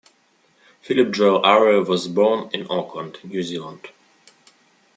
Philip Joel Urry was born in Auckland, New Zealand.